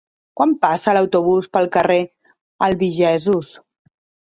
Quan passa l'autobús pel carrer Albigesos?